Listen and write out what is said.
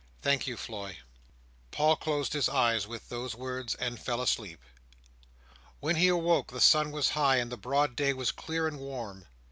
"Thank you, Floy!" Paul closed his eyes with those words, and fell asleep. When he awoke, the sun was high, and the broad day was clear and warm.